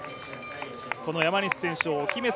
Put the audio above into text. この山西選手をお姫様